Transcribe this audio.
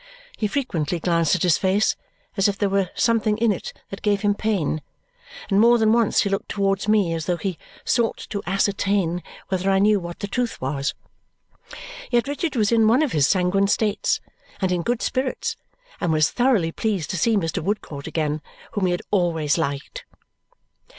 He frequently glanced at his face as if there were something in it that gave him pain, and more than once he looked towards me as though he sought to ascertain whether I knew what the truth was. Yet Richard was in one of his sanguine states and in good spirits and was thoroughly pleased to see Mr. Woodcourt again, whom he had always liked.